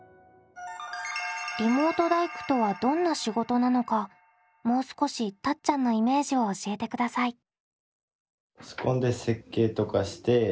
リモート大工とはどんな仕事なのかもう少したっちゃんのイメージを教えてください。